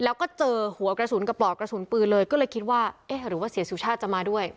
แล้วก็เจอหัวกระสุนกับปลอกกระสุนปืนเลยก็เลยคิดว่าเอ๊ะหรือว่าเสียสุชาติจะมาด้วย